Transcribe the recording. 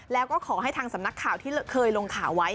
แล้วก็ขอให้ทางสำนักข่าวที่เคยลงข่าวไว้